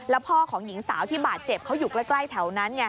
แล้วพ่อของหญิงสาวที่บาดเจ็บเขาอยู่ใกล้แถวนั้นไง